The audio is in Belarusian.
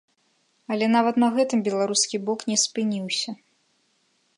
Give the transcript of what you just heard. Але нават на гэтым беларускі бок не спыніўся.